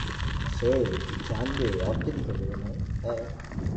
তিনি জারিনা আলেকজান্দ্রাকে একটি চিঠি লেখার পরে বিদ্যালয়ের নামকরণ করা হয়েছিল।